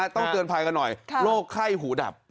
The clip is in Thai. ต้องเตือนภัยกันหน่อยโรคไข้หูดับ